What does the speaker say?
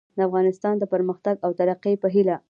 د افغانستان د پرمختګ او ترقي په هیله